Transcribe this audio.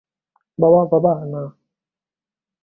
বাবা, বাবা, না!